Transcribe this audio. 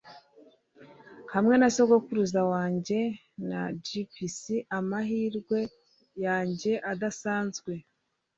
Hamwe na sogokuruza wanjye na gypsy amahirwe yanjye adasanzwe